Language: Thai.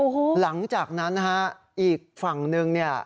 หลังจากนั้นฮะอีกฝั่งหนึ่งเนี่ย